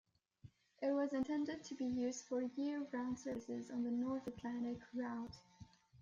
It was intended to be used for year-round services on the North Atlantic route.